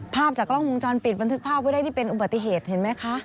ภาพจากกล้องวงจรปิดบันทึกภาพไว้ได้นี่เป็นอุบัติเหตุเห็นไหมคะ